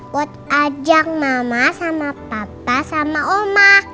buat ajang mama sama papa sama oma